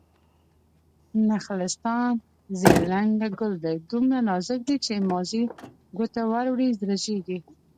نخلستان: زيړ رنګه ګل دی، دومره نازک دی چې مازې ګوتې ور وړې رژيږي